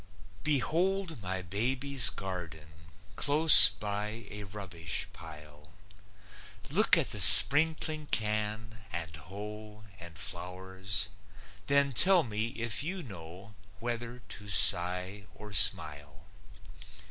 Behold my baby's garden, Close by a rubbish pile! Look at the sprinkling can and hoe And flowers; then tell me if you know Whether to sigh or smile.